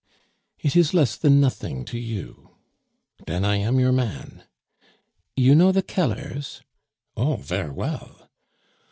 "It is less than nothing to you." "Den I am your man." "You know the Kellers?" "Oh! ver' well."